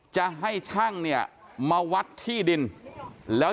จะไม่เคลียร์กันได้ง่ายนะครับ